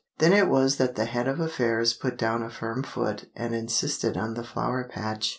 Then it was that the Head of Affairs put down a firm foot and insisted on the Flower Patch.